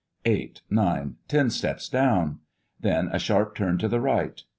Eight, nine, ten steps down. Then a sharp turn to the right!